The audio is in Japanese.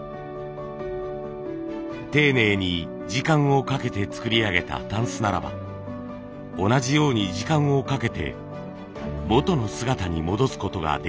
丁寧に時間をかけて作り上げた箪笥ならば同じように時間をかけて元の姿に戻すことができる。